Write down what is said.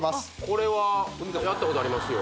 これはやったことありますよ